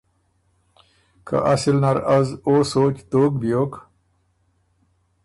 که اصِل نر از او سوچ دوک بيوک۔